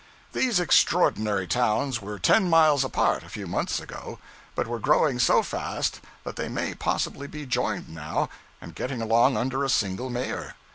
These extraordinary towns were ten miles apart, a few months ago, but were growing so fast that they may possibly be joined now, and getting along under a single mayor.